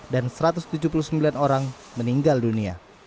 dan satu ratus tujuh puluh sembilan orang meninggal dunia